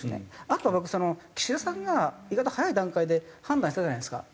あとは僕その岸田さんが意外と早い段階で判断したじゃないですか。